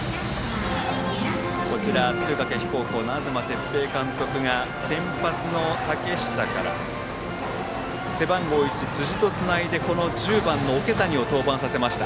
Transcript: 敦賀気比高校の東哲平監督が先発の竹下から背番号１の辻とつないで１０番の桶谷を登板させました。